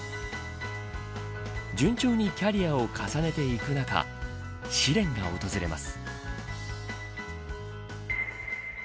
順調にキャリアを重ねていく中試練が訪れます。